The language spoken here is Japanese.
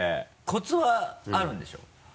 コツはあるんでしょう？